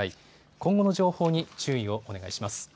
今後の情報に注意をお願いします。